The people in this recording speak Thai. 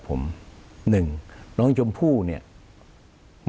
คุณจอมขอบพระคุณครับ